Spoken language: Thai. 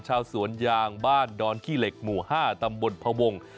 ชาวสวนยางบ้านดอนขี้เหล็กหมู่๕ตำบลพวง